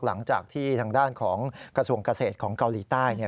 หลังจากที่ทางด้านของกระทรวงเกษตรของเกาหลีใต้